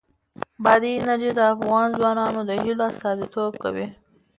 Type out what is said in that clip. بادي انرژي د افغان ځوانانو د هیلو استازیتوب کوي.